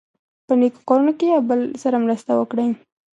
په نېکو کارونو کې یو بل سره مرسته وکړئ.